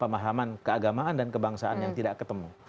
pemahaman keagamaan dan kebangsaan yang tidak ketemu